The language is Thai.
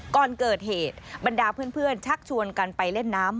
ก่อนเกิดเหตุบรรดาเพื่อนชักชวนกันไปเล่นน้ำ